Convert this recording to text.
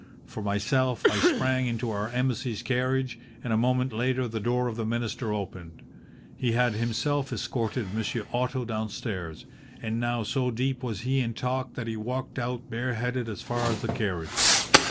For myself, I sprang into our Embassy's carriage, and a moment later the door of the minister opened. He had himself escorted Monsieur Otto downstairs, and now so deep was he in talk that he walked out bareheaded as far as the carriage.